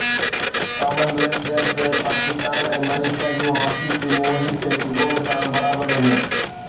ڪمن wealth Games ۾ Pakistan ۽ Malaysia جون hockey ٽيمون هڪ هڪ گول سان برابر رهيون